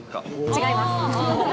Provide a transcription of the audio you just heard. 違います。